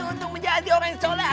untuk menjadi orang yang sholat